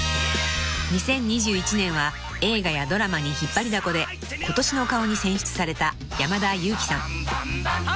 ［２０２１年は映画やドラマに引っ張りだこで「今年の顔」に選出された］